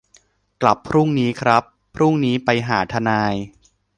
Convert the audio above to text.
กลับพรุ่งนี้ครับ พรุ่งนี้ไปหาทนาย